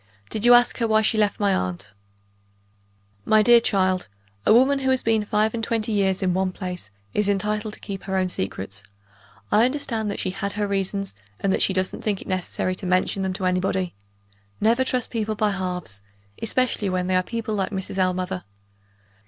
"Did you ask her why she left my aunt?" "My dear child, a woman who has been five and twenty years in one place is entitled to keep her own secrets. I understand that she had her reasons, and that she doesn't think it necessary to mention them to anybody. Never trust people by halves especially when they are people like Mrs. Ellmother."